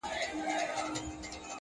• په خوښۍ کي به مي ستا د ياد ډېوه وي،